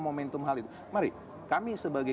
momentum hal itu mari kami sebagai